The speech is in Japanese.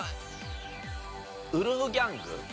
ウルフギャング。